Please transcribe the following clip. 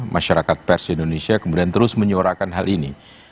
masyarakat pers di indonesia kemudian terus menyuarakan hal ini